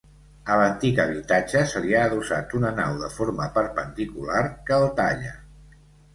A l'antic habitatge se li ha adossat una nau de forma perpendicular que el talla.